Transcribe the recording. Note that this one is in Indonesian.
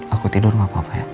aku tidur gak apa apa ya